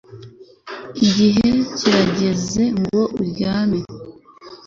Igihe kirageze ngo uryame